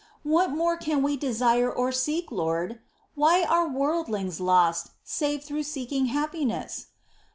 ■* What more can we desire or seek, Lord ? Why are worldlings lost, save through seeking happiness